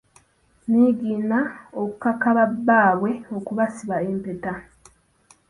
Niigiina okukaka babbaabwe okubasiba empeta.